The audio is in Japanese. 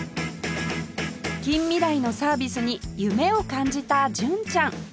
近未来のサービスに夢を感じた純ちゃん